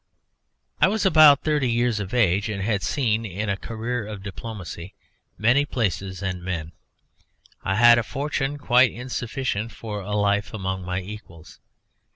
"I was about thirty years of age, and had seen (in a career of diplomacy) many places and men; I had a fortune quite insufficient for a life among my equals.